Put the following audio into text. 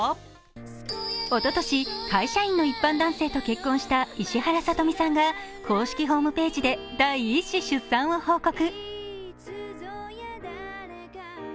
おととし会社員の一般男性と結婚した石原さとみさんが公式ホームページで第１子出産を報告。